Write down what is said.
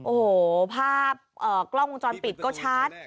โอ้โหภาพกล้องวงจรปิดก็ชัด